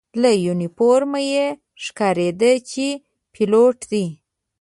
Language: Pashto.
له یونیفورم یې ښکارېده چې پیلوټ دی.